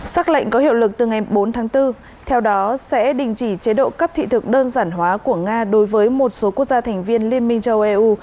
xác lệnh có hiệu lực từ ngày bốn tháng bốn theo đó sẽ đình chỉ chế độ cấp thị thực đơn giản hóa của nga đối với một số quốc gia thành viên liên minh châu âu eu